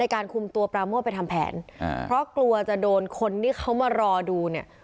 การคุมตัวปราโมทไปทำแผนเพราะกลัวจะโดนคนที่เขามารอดูเนี่ย